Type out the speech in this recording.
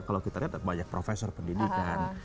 kalau kita lihat banyak profesor pendidikan